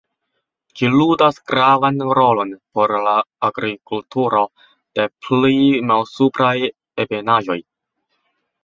Ĝi ludas gravan rolon por la agrikulturo de pli malsupraj ebenaĵoj.